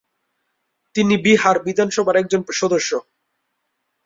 তিনি বিহার বিধানসভার একজন সদস্য।